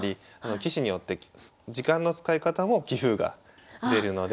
棋士によって時間の使い方も棋風が出るので。